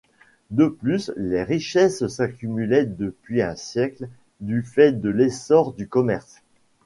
De plus les richesses s'accumulaient depuis un siècle du fait de l’essor du commerce.